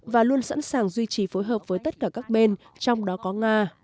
và luôn sẵn sàng duy trì phối hợp với tất cả các bên trong đó có nga